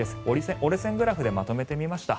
折れ線グラフでまとめてみました。